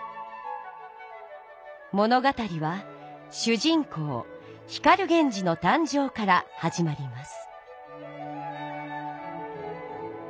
物語は主人公光源氏の誕生からはじまります。